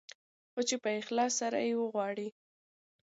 خو چې په اخلاص سره يې وغواړې.